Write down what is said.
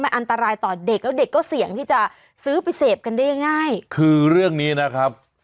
อันตรายต่อเด็กแล้วเด็กก็เสี่ยงที่จะซื้อไปเสพกันได้ง่ายคือเรื่องนี้นะครับ